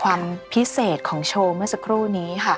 ความพิเศษของโชว์เมื่อสักครู่นี้ค่ะ